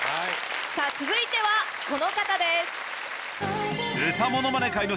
続いてはこの方です。